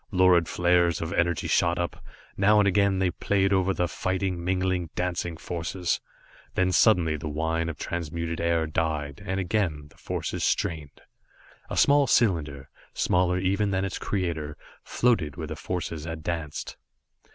Lurid flares of energy shot up, now and again they played over the fighting, mingling, dancing forces. Then suddenly the whine of transmuted air died, and again the forces strained. A small cylinder, smaller even than its creator, floated where the forces had danced.